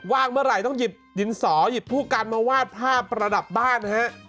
ว่างเมื่อไหร่ต้องหยิบดินสอหยิบผู้กันมาวาดภาพประดับบ้านนะฮะ